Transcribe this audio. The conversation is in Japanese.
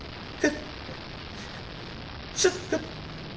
シュッフッ！